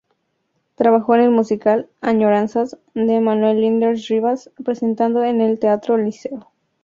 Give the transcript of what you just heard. Trabajó en el musical "Añoranzas", de Manuel Linares Rivas, presentado en el teatro Liceo.